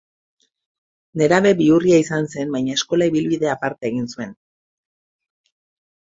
Nerabe bihurria izan zen, baina eskola ibilbide aparta egin zuen.